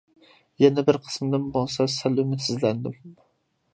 يەنە بىر قىسمىدىن بولسا سەل ئۈمىدسىزلەندىم.